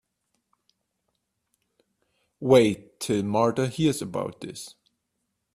Wait till Martha hears about this.